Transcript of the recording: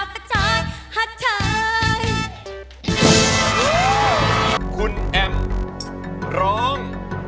คุณแอมร้อง